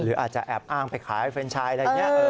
อาจจะแอบอ้างไปขายเฟรนชายอะไรอย่างนี้